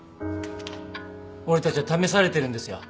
俺たちは試されてるんですよ。